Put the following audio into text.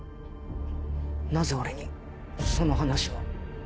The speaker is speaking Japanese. なぜ俺にその話を？